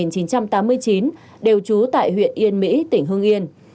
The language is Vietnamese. chú văn quyết sinh năm một nghìn chín trăm tám mươi chín đều trú tại huyện yên mỹ tỉnh hưng yên